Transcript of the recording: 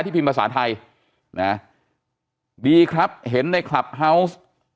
พิมพ์ภาษาไทยนะดีครับเห็นในคลับเฮาวส์